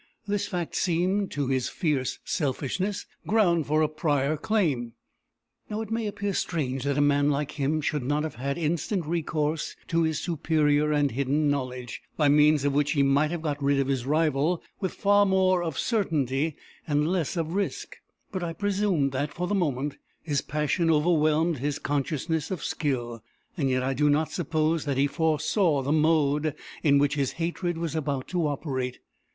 This fact seemed, to his fierce selfishness, ground for a prior claim. "It may appear strange that a man like him should not have had instant recourse to his superior and hidden knowledge, by means of which he might have got rid of his rival with far more of certainty and less of risk; but I presume that, for the moment, his passion overwhelmed his consciousness of skill. Yet I do not suppose that he foresaw the mode in which his hatred was about to operate.